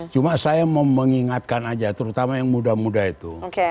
cuma saya mau mengingatkan aja terutama yang muda muda itu